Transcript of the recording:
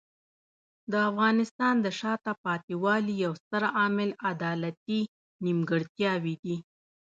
د افغانستان د شاته پاتې والي یو ستر عامل عدالتي نیمګړتیاوې دي.